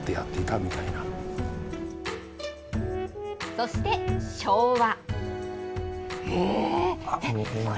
そして、昭和。